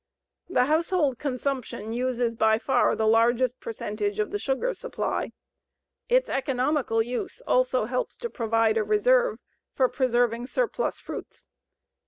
The household consumption uses by far the largest percentage of the sugar supply. Its economical use also helps to provide a reserve for preserving surplus fruits.